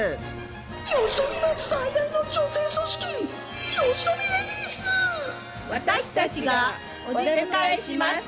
吉富町最大の女性組織私たちがお出迎えします！